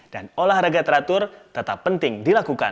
dan olahraga teratur tetap penting dilakukan